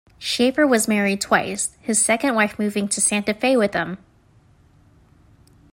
Schaefer was married twice, his second wife moving to Santa Fe with him.